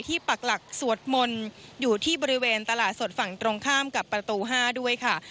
ปักหลักสวดมนต์อยู่ที่บริเวณตลาดสดฝั่งตรงข้ามกับประตู๕ด้วยค่ะ